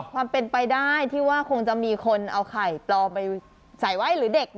ความเป็นไปได้ที่ว่าคงจะมีคนเอาไข่ปลอมไปใส่ไว้หรือเด็ก